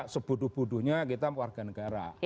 sebodoh bodohnya kita warga negara